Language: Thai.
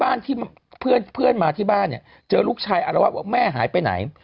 แล้วเพื่อนมาที่บ้านเนี่ยเจอลูกชายอ่ะแล้วว่าแม่หายไปไหน